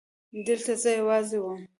دلته زه يوازې وم.